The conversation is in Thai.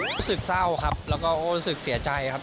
รู้สึกเศร้าครับแล้วก็รู้สึกเสียใจครับ